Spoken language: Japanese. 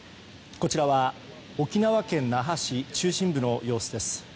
こちらは沖縄県那覇市中心部の様子です。